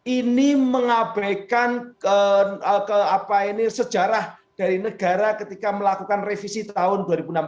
ini mengabaikan sejarah dari negara ketika melakukan revisi tahun dua ribu enam belas